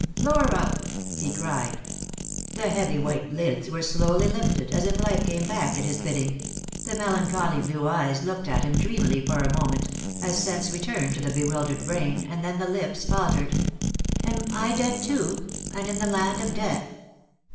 "Flora!" he cried. The heavy white lids were slowly hfted, as if life came back at his bidding ; the melancholy blue eyes looked at him dreamily for a moment, as sense returned to the bewildered brain and then the lips faltered: " Am I dead too, and in the land of death